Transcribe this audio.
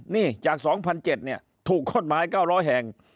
นี่จาก๒๐๐๗ถูกกฎหมาย๙๐๐แห่ง